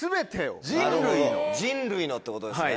なるほど人類のってことですね。